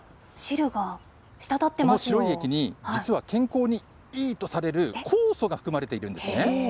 この白い液に、実は健康にいいとされる酵素が含まれているんですね。